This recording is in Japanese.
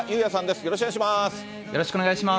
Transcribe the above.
よろしくお願いします。